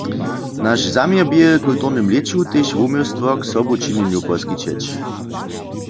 Naš zaměr bě, w kulturnym lěću tež wuměłstwo k sobu činjenju poskićeć.